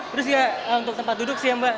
terus ya untuk tempat duduk sih ya mbak